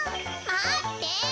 まって。